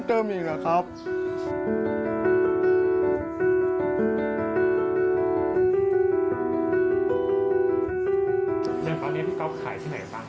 เป็นเวลาคือกาวภาพใหม่ที่ไหน